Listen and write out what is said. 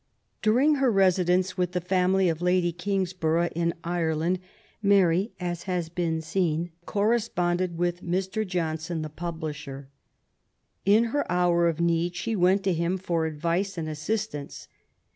During her residence with the family of Lady Kings borough in Ireland, Mary^ as has been seen^ corre sponded with Mr. Johnson the publisher. In her hour of need she went to him for advice and assistance.